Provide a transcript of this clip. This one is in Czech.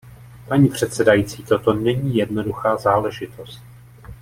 Paní předsedající, toto není jednoduchá záležitost.